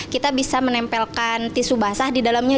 kita bisa menempelkan tisu basah di dalamnya